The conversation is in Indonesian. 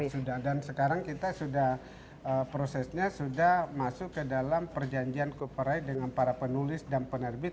sudah dan sekarang kita sudah prosesnya sudah masuk ke dalam perjanjian cooperai dengan para penulis dan penerbit